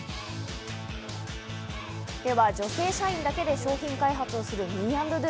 では女性社員だけで商品開発をするｍｅ＆ｄｏ。